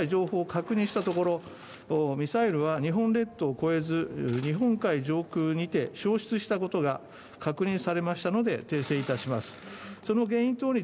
その後、当該情報を確認したところ、ミサイルは日本列島を越えず、日本海上空にて消失したことが確認されましたので訂正いたします。